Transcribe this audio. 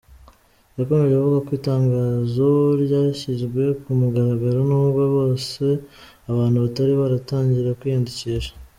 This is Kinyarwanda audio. Yakomeje avuga ko itangazo ryashyizwe ku mugaragaro n’ubwo bwose abantu batari bataratangira kwiyandikisha.